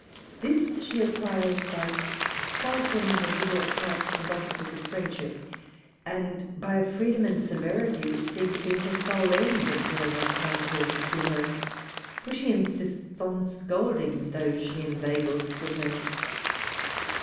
This she acquires by a thousand little arts and offices of friendship : and by a freedom and severity, which seem to be her sole end of drawing a con course to her ; for she insists on scolding those she inveigles to her.